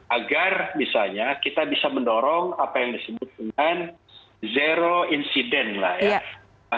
agar misalnya kita bisa mendorong apa yang disebut dengan zero insident lah ya